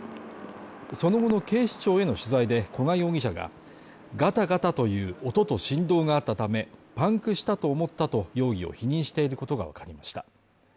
その後の警視庁への取材で古賀容疑者がガタガタという音と振動があったため、パンクしたと思ったと容疑を否認していることがわかりました。